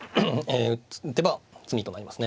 打てば詰みとなりますね。